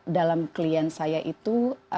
dalam klien saya itu